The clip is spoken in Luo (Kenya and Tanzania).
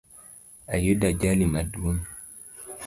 Ayudo ajali maduong